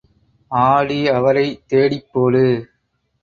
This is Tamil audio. ஆடி அவரை தேடிப் போடு.